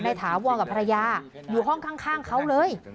ถาวรกับภรรยาอยู่ห้องข้างเขาเลย